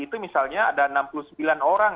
itu misalnya ada enam puluh sembilan orang